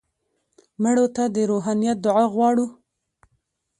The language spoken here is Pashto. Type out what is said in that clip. مړه ته د روحانیت دعا غواړو